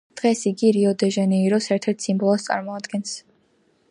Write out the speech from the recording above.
დღეს იგი რიო-დე-ჟანეიროს ერთ-ერთ სიმბოლოს წარმოადგენს.